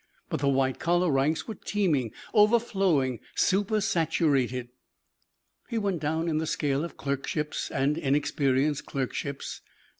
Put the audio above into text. But the white collar ranks were teeming, overflowing, supersaturated. He went down in the scale of clerkships and inexperienced clerkships.